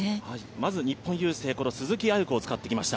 まず日本郵政、鈴木亜由子を使ってきました。